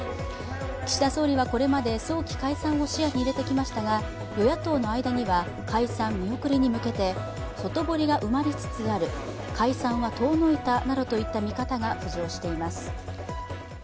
岸田総理はこれまで早期解散を視野に入れてきましたが、与野党の間には、解散見送りに向けて、外堀が埋まりつつある、解散は遠のいたなどといった見方が浮上しています。